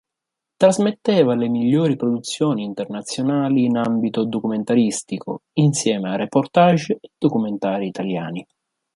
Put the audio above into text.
Trasmetteva le migliori produzioni internazionali in ambito documentaristico, insieme a reportage e documentari italiani.